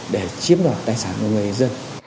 để chiếm đoạt tài sản của người dân